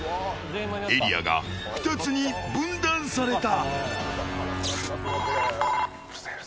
エリアが２つに分断された。